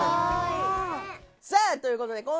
さあという事で。